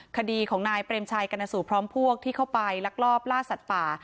คดีของนายเปรมชัยกรณสูตรพร้อมพวกที่เข้าไปลักลอบล่าสัตว์ป่า